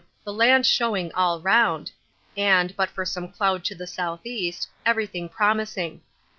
the land showing all round, and, but for some cloud to the S.E., everything promising.